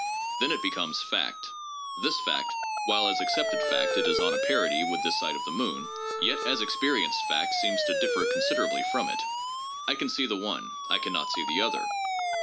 Then it becomes "fact." This fact, while as accepted fact it is on a parity with this side of the moon, yet as experienced fact seems to differ considerably from it. I can see the one; I can not see the other.